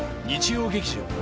日曜劇場